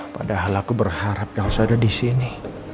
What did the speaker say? padahal aku berharap yalsada di sini